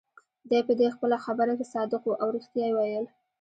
دی په دې خپله خبره کې صادق وو، او ريښتیا يې ویل.